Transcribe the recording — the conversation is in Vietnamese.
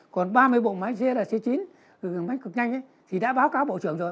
còn ba mươi bộ máy xe là xe chín máy cực nhanh ấy thì đã báo cáo bộ trưởng rồi